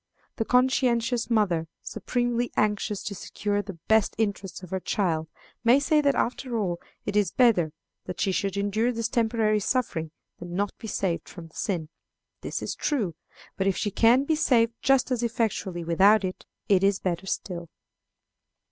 The conscientious mother, supremely anxious to secure the best interests of her child, may say that, after all, it is better that she should endure this temporary suffering than not be saved from the sin. This is true. But if she can be saved just as effectually without it, it is better still.